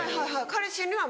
彼氏には。